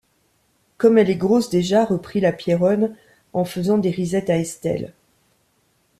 Comme elle est grosse déjà! reprit la Pierronne, en faisant des risettes à Estelle.